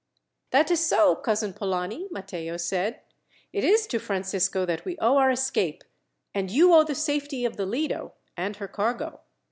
"That is so, Cousin Polani," Matteo said. "It is to Francisco that we owe our escape, and you owe the safety of the Lido and her cargo."